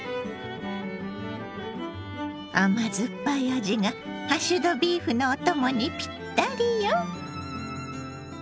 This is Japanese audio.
甘酸っぱい味がハッシュドビーフのお供にぴったりよ。